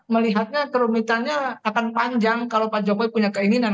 melihatnya kerumitannya akan panjang kalau pak jokowi punya keinginan